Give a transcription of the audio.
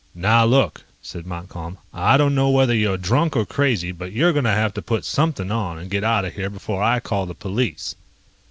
"Now look," said Montcalm, "I don't know whether you're drunk or crazy, but you're going to have to put something on and get out of here before I call the police."